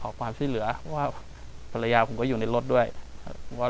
กลับมาที่สุดท้ายและกลับมาที่สุดท้าย